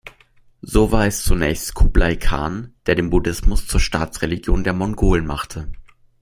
So war es zunächst Kublai Khan, der den Buddhismus zur Staatsreligion der Mongolen machte.